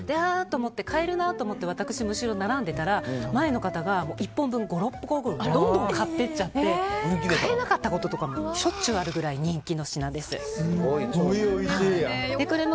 買えるなと思って私も後ろに並んでいたら前の方が１本分どんどん買っていっちゃって買えなかったこととかもしょっちゅうあるぐらい人気の品です。